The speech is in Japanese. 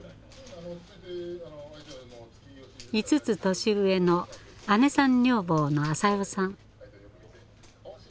５つ年上の姉さん女房のあさよさん。